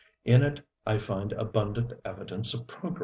In it I find abundant evidence of progress.